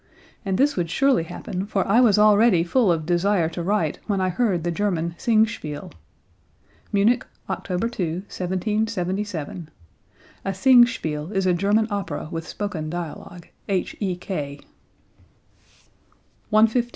And this would surely happen for I was already full of desire to write when I heard the German Singspiel." (Munich, October 2, 1777. [A Singspiel is a German opera with spoken dialogue. H.E.K.]) 115.